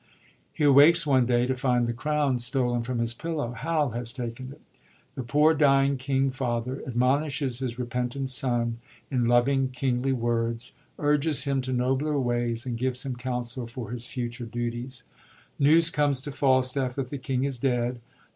He awakes one day to find the crown stolen from his pillow. Hal has taken it. The poor, dying king father ad monishes his repentant son, in loving, kingly words, urges him to nobler ways, and gives him counsel for his future dutie& News comes to Falstaff that the king is dead.